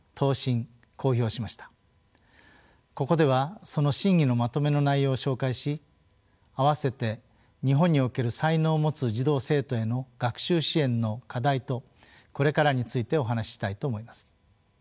ここではその審議のまとめの内容を紹介し併せて日本における才能を持つ児童生徒への学習支援の課題とこれからについてお話ししたいと思います。